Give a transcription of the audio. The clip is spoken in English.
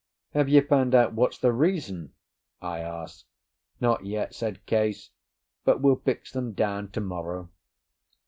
"Have you found out what's the reason?" I asked. "Not yet," said Case. "But we'll fix them down to morrow."